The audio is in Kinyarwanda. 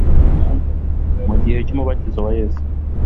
Mu gihe cy'umubatizo wa Yesu,